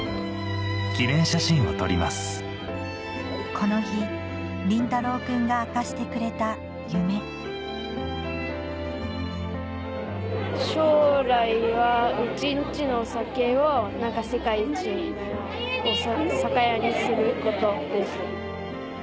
この日凜太郎君が明かしてくれた夢将来はうちん家の酒を世界一の酒屋にすることです。